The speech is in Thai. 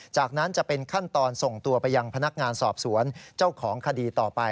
จากนั้นจะเป็นขั้นตอนส่งตัวไปยังพนักงานสอบสวนเจ้าของคดีต่อไป